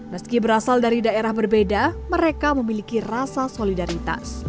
meski berasal dari daerah berbeda mereka memiliki rasa solidaritas